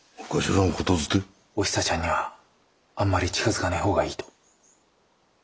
おひさちゃんにはあんまり近づかねえ方がいいと。